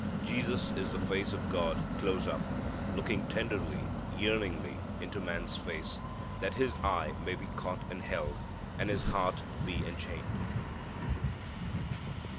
Jesus is the face of God, close up, looking tenderly, yearningly, into man's face, that his eye may be caught and held, and his heart be enchained.